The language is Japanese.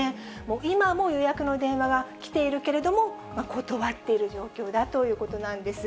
今も予約の電話は来ているけれども、断っている状況だということなんです。